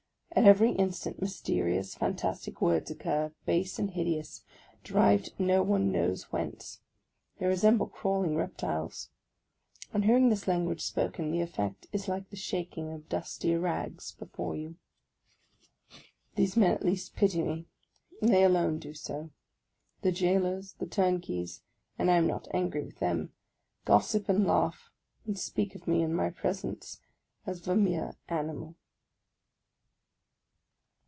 At every instant mysterious, fantastic words occur, base and hideous, derived one knows not whence ; they resem ble crawling reptiles. On hearing this language spoken, the effect is like the shaking of dusty rags before you. These men at least pity me, and they alone do so. The jailors, the turnkeys, — and I am not angry with them, — gossip and laugh, and speak of me in my presence as of a mere animal.